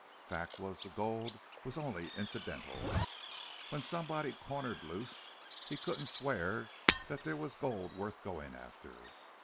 Fact was the gold was only incidental. When somebody cornered Luce he couldn't swear there was gold worth goin' after.